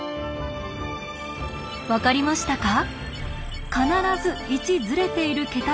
分かりましたか？